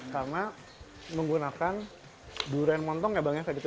karena menggunakan durian montong ya bang kayak gitu ya